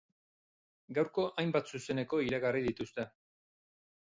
Gaurko hainbat zuzeneko iragarri dituzte.